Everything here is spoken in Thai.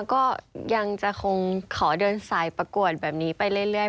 ก็ยังจะคงขอเดินสายประกวดแบบนี้ไปเรื่อย